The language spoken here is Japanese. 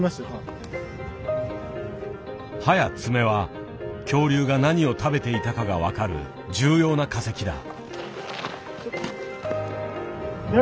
歯や爪は恐竜が何を食べていたかが分かる重要な化石だ。